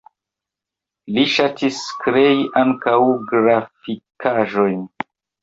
Li ŝatis krei ankaŭ grafikaĵojn.